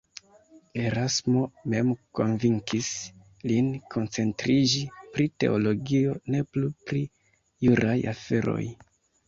Erasmo mem konvinkis lin koncentriĝi pri teologio, ne plu pri juraj aferoj.